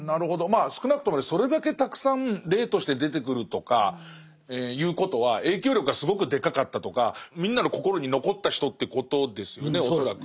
まあ少なくともそれだけたくさん霊として出てくるとかいうことは影響力がすごくでかかったとかみんなの心に残った人ってことですよね恐らく。